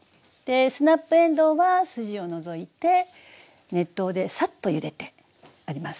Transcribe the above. スナップえんどうは筋を除いて熱湯でサッとゆでてあります。